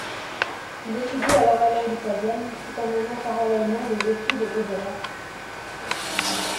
Il étudie alors la langue italienne tout en menant parallèlement des études de droit.